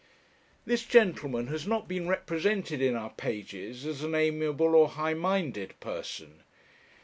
This gentleman has not been represented in our pages as an amiable or high minded person.